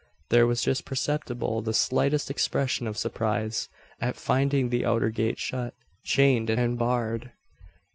There was just perceptible the slightest expression of surprise, at finding the outer gate shut, chained, and barred.